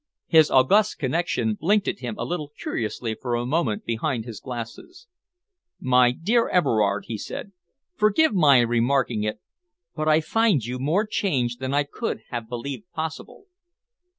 His august connection blinked at him a little curiously for a moment behind his glasses. "My dear Everard," he said, "forgive my remarking it, but I find you more changed than I could have believed possible."